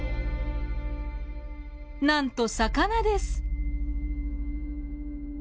なんと魚です。